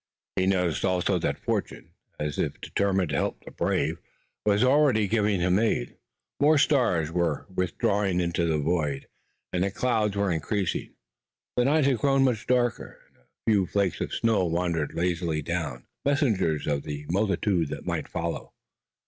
He noticed also that fortune, as if determined to help the brave, was already giving him aid. More stars were withdrawing into the void, and the clouds were increasing. The night had grown much darker, and a few flakes of snow wandered lazily down, messengers of the multitude that might follow.